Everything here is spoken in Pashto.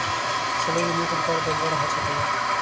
سړی د موخې لپاره دوامداره هڅه کوي